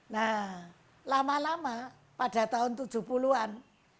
nah lama lama pada tahun tujuh puluh an